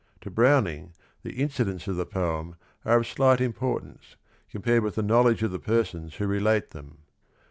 To Browning the inci dents of the poem are of slight importance, com pared with the knowledge of the persons who relate them.